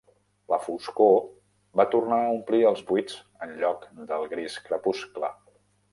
La foscor va tornar a omplir els buits enlloc del gris crepuscle.